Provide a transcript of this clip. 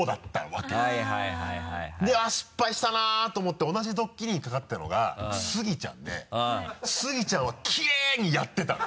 あっ失敗したなと思って同じドッキリにかかってたのがスギちゃんでスギちゃんはきれいにやってたの。